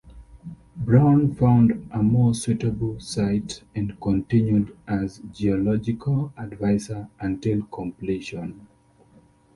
Browne found a more suitable site and continued as geological adviser until completion.